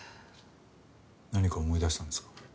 何か思い出したんですか？